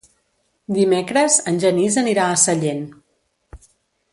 Dimecres en Genís anirà a Sellent.